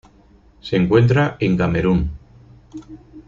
Se encuentra en Camerún.